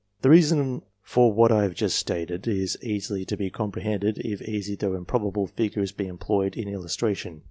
The reason for what I have just stated is easily to be comprehended, if easy though improbable figures be em ployed in illustration.